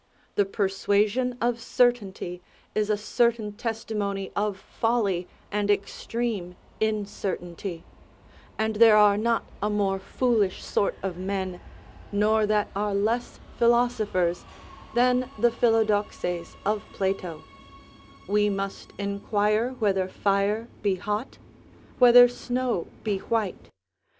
The persuasion of certainty is a certain testimony of folly and extreme incertainty; and there are not a more foolish sort of men, nor that are less philosophers, than the Philodoxes of Plato; we must inquire whether fire be hot? whether snow be white?